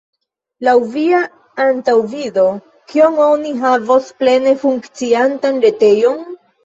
Laŭ via antaŭvido, kiam oni havos plene funkciantan retejon?